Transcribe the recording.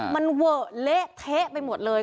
มันเวอะเละเทะไปหมดเลย